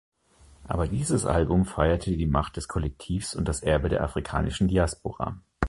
Aber dieses Album feiere die Macht des Kollektivs und das Erbe der afrikanischen Diaspora.